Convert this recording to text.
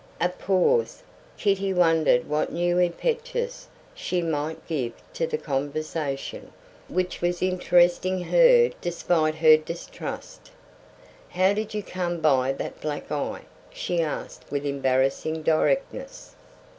A pause. Kitty wondered what new impetus she might give to the conversation, which was interesting her despite her distrust. "How did you come by that black eye?" she asked with embarrassing directness.